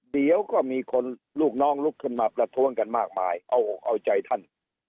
เดี๋ยวก็มีคนลูกน้องลุกขึ้นมาประท้วงกันมากมายเอาอกเอาใจท่าน